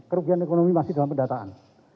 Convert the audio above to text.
kerugian ekonomi masih dalam pendataan